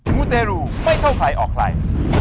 มูเตรูไม่เข้าใครออกใคร